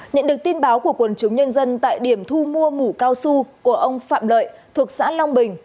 nhận được tin báo của quần chúng nhân dân tại điểm thu mua mũ cao su của ông phạm lợi thuộc xã long bình